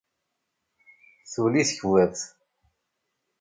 Tuli tekbabt.